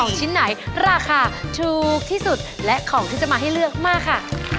ชิ้นไหนราคาถูกที่สุดและของที่จะมาให้เลือกมากค่ะ